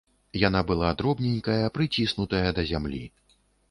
Яна была дробненькая, прыціснутая да зямлі.